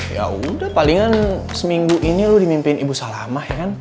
ya udah palingan seminggu ini lo dimimpiin ibu salamah ya kan